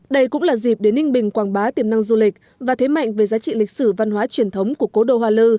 đây cũng là dịp để ninh bình quảng bá tiềm năng du lịch và thế mạnh về giá trị lịch sử văn hóa truyền thống của cố đô hoa lư